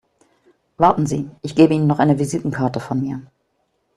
Warten Sie, ich gebe Ihnen noch eine Visitenkarte von mir.